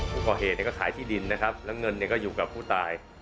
ผู้ก่อเหตุก็ขายที่ดินนะครับแล้วเงินก็อยู่กับผู้ตาย